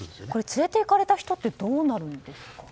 連れていかれた人ってどうなるんですか？